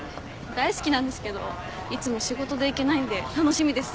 大好きなんですけどいつも仕事で行けないんで楽しみです。